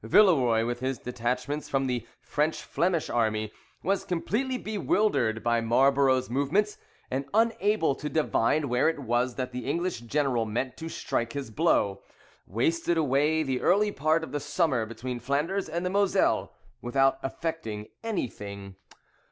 Villeroy, with his detachments from the French Flemish army, was completely bewildered by Marlborough's movements; and, unable to divine where it was that the English general meant to strike his blow, wasted away the early part of the summer between Flanders and the Moselle without effecting anything.